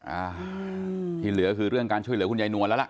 อ่าที่เหลือคือเรื่องการช่วยเหลือคุณยายนวลแล้วล่ะ